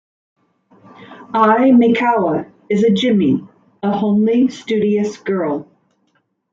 Ai Maekawa is a "jimi", a homely, studious girl.